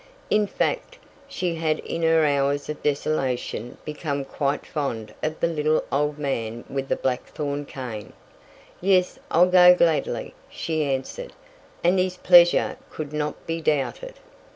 In fact, she had in her hours of desolation become quite fond of the little old man with the blackthorn cane. "Yes, I'll go gladly," she answered, and his pleasure could not be doubted.